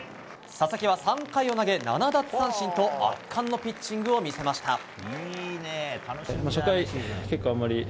佐々木は３回を投げ７奪三振と圧巻のピッチングを見せました。